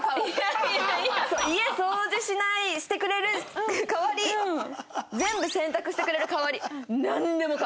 家掃除してくれる代わり全部洗濯してくれる代わり。